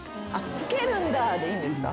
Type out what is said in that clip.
「吹けるんだぁ」でいいんですか？